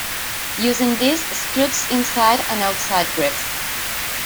Using these excludes inside and outside grips.